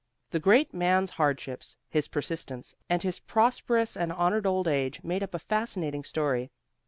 The great man's hardships, his persistence, and his prosperous and honored old age, made up a fascinating story.